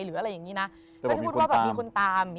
แต่บ่วงว่าก็ไม่ได้ถึงว่ามีคนตาม